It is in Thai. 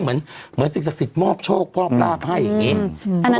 เหมือนเหมือนสิ่งศักดิ์สิทธิ์มอบโชคมอบลาบให้อย่างนี้